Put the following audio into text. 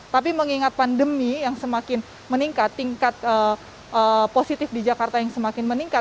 tapi mengingat pandemi yang semakin meningkat tingkat positif di jakarta yang semakin meningkat